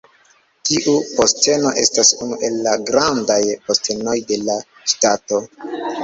Tiu posteno estas unu el la Grandaj Postenoj de la Ŝtato.